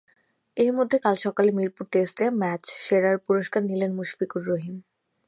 এরই মধ্যে কাল সকালে মিরপুর টেস্টে ম্যাচ-সেরার পুরস্কার নিলেন মুশফিকুর রহিম।